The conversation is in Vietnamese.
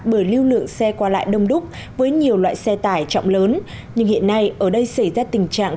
bởi lưu lượng xe qua lại đông đúc với nhiều loại xe tải trọng lớn nhưng hiện nay ở đây xảy ra tình trạng